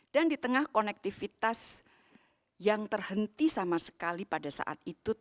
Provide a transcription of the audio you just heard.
dan di tengah konektivitas yang terhenti sama sekali pada saat itu